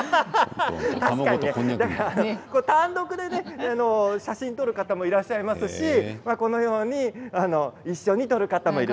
単独で写真を撮る方もいらっしゃいますしこのように一緒に撮る方もいる。